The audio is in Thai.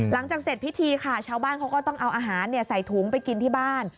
หลังจากเสร็จพิธีค่ะชาวบ้านเขาก็ต้องเอาอาหารใส่ถุงไปกินที่บ้าน